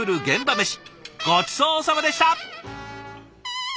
ごちそうさまでした！